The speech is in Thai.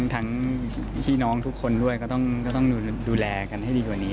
พี่น้องทุกคนด้วยก็ต้องดูแลกันให้ดีกว่านี้